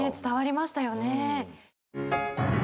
伝わりましたよね。